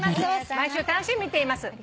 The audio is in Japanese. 「毎週楽しみに見ています。